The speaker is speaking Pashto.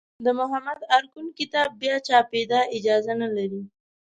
د محمد ارکون کتاب بیا چاپېدا اجازه نه لري.